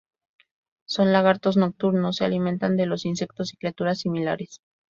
Son lagartos nocturnos, se alimentan de los insectos y criaturas similares.